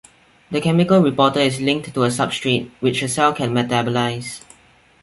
The chemical reporter is linked to a substrate, which a cell can metabolize.